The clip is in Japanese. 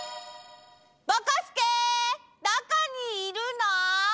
ぼこすけどこにいるの？